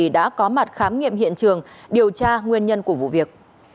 đã có mặt khám nghiệm hiện trường điều tra nguyên nhân của vụ việc